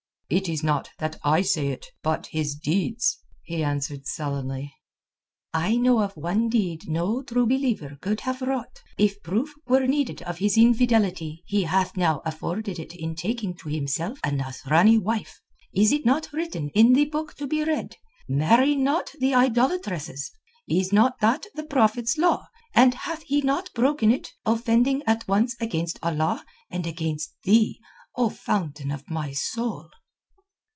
"It is not I that say it, but his deeds," he answered sullenly. "I know of one deed no True Believer could have wrought. If proof were needed of his infidelity he hath now afforded it in taking to himself a Nasrani wife. Is it not written in the Book to be Read: 'Marry not idolatresses'? Is not that the Prophet's law, and hath he not broken it, offending at once against Allah and against thee, O fountain of my soul?"